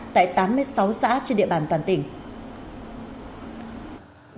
tại tám mươi sáu xã trên địa bàn toàn tỉnh